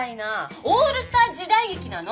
オールスター時代劇なの！